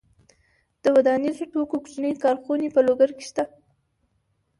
د ودانیزو توکو کوچنۍ کارخونې په لوګر کې شته.